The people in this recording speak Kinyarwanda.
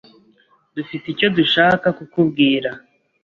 Dufite icyo dushaka kukubwira.